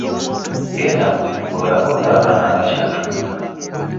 Genda mu nnyumba olabe oba abaana bakyatunula.